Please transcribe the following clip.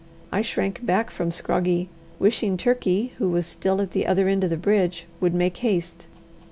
I shrank back from Scroggie, wishing Turkey, who was still at the other end of the bridge, would make haste.